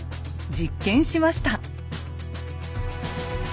実験しました。